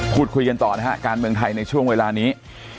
พูดคุยกันต่อนะฮะการเมืองไทยในช่วงเวลานี้